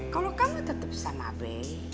kalau kamu tetep sama be